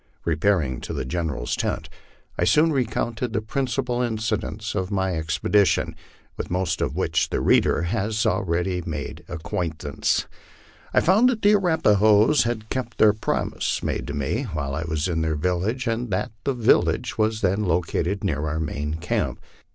Repairing to the General's tent, I soon recounted the principal incidents of my expedi tion, with most of which the reader has been already made acquainted. I found that the Arapahoes had kept their promise, made to me while I was in their village, and that the village was then located near our main camp.